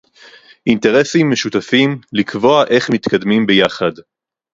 אינטרסים משותפים, לקבוע איך מתקדמים ביחד